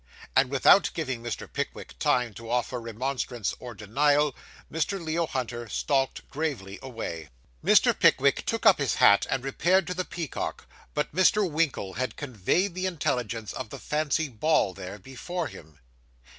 And without giving Mr. Pickwick time to offer remonstrance or denial, Mr. Leo Hunter stalked gravely away. Mr. Pickwick took up his hat, and repaired to the Peacock, but Mr. Winkle had conveyed the intelligence of the fancy ball there, before him.